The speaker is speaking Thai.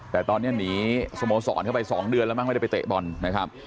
แต่ตอนนี้หนีสโมสรเข้าไป๒เดือนแล้วมั้งไม่ได้ไปเตะบอลนะครับ